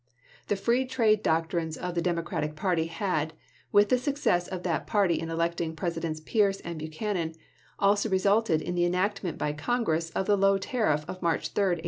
The free trade doc trines of the Democratic party had, with the suc cess of that party in electing Presidents Pierce and Buchanan, also resulted in the enactment by Con gress of the low tariff of March 3, 1857.